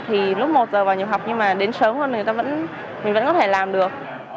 thì lúc một giờ vào nhập học nhưng mà đến sớm hơn thì mình vẫn có thể làm được